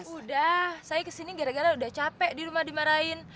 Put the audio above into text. udah saya kesini gara gara udah capek di rumah dimarahin